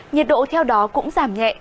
nhiệt độ theo đó cũng giảm nhẹ